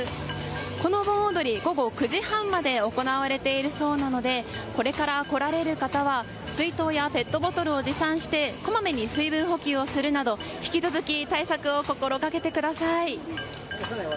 この盆踊り、午後９時半まで行われているそうなのでこれから来られる方は水筒やペットボトルを持参してこまめに水分補給をするなど引き続き対策を心掛けてください。